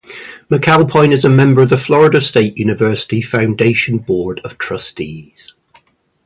McAlpin is a member of the Florida State University Foundation Board of Trustees.